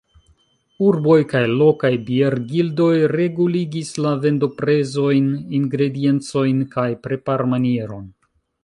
Urboj kaj lokaj biergildoj reguligis la vendoprezojn, ingrediencojn kaj preparmanieron.